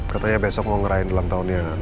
katanya besok mau ngerahin ulang tahunnya